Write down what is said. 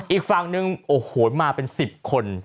อีกฝั่งนึงโอ้โหมาเป็น๑๐คน